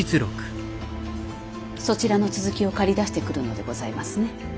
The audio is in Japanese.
そちらの続きを借り出してくるのでございますね。